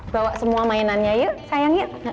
bawa semua mainannya yuk sayang yuk